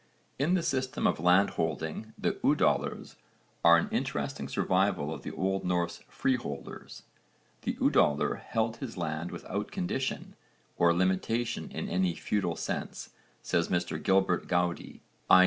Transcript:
In the system of landholding the 'udallers' are an interesting survival of the old Norse freeholders. 'The Udaller held his land without condition or limitation in any feudal sense,' says Mr Gilbert Goudie, i.